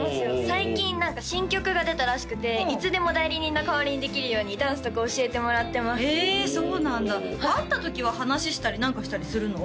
最近何か新曲が出たらしくていつでも代理人の代わりにできるようにダンスとか教えてもらってますえそうなんだ会った時は話したり何かしたりするの？